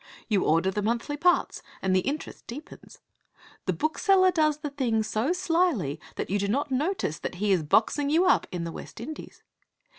You order the monthly parts and the interest deepens. The bookseller does the thing so slyly that you do not notice that he is boxing you up in the West Indies.